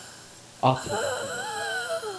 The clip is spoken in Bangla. আচ্ছা, ধন্যবাদ।